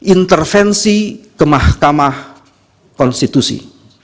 intervensi ke mahkamah konstitusi